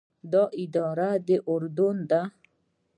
دا اداره د اردن ده.